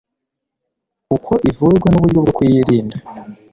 uko ivurwa n'uburyo bwo kuyirinda